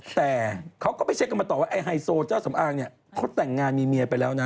แต่เขาก็ไปเช็คกันมาต่อว่าไอโซเจ้าสำอางเนี่ยเขาแต่งงานมีเมียไปแล้วนะ